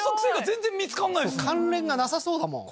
関連がなさそうだもん